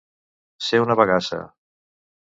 Ser una bagassa.